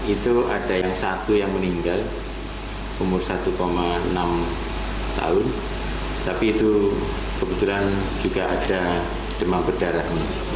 itu ada yang satu yang meninggal umur satu enam tahun tapi itu kebetulan juga ada demam berdarah